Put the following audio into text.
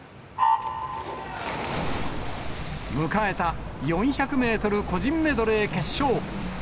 迎えた４００メートル個人メドレー決勝。